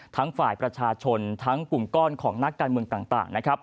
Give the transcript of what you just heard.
ทั้งฝ่ายประชาชนทั้งกลุ่มก้อนของนักการเมืองต่าง